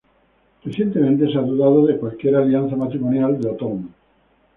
Recientemente se ha dudado de cualquier alianza matrimonial de Otón.